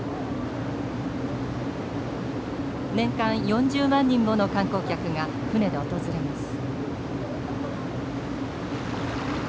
年間４０万人もの観光客が船で訪れます。